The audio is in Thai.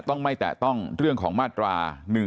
ต้องไม่แตะต้องเรื่องของมาตรา๑๑๒